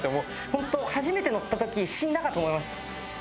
本当初めて乗った時死んだかと思いました。